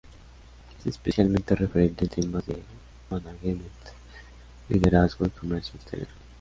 Es especialista referente en temas de management, liderazgo y comercio exterior.